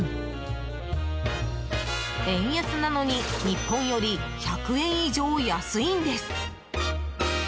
円安なのに日本より１００円以上安いんです。